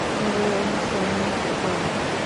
ওদের অনুসরণ করো।